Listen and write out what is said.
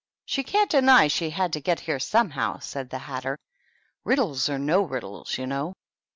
" She can't deny she had to get here somehow," said the Hatter, "riddles or no riddles, you know."